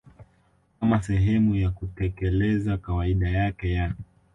kama sehemu ya kutekeleza kawaida yake ya